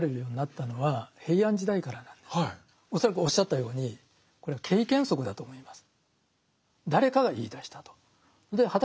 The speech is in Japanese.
恐らくおっしゃったようにこれは経験則だと思います。